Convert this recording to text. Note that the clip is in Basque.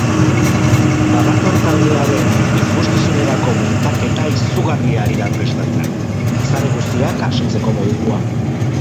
Badator taldearen ikuskizunerako muntaketa izugarria ari dira prestatzen, zale guztiak asetzeko modukoa.